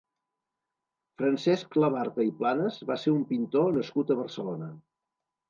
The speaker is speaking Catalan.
Francesc Labarta i Planas va ser un pintor nascut a Barcelona.